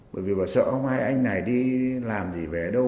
bởi vì bà sợ không hai anh này đi làm gì về đâu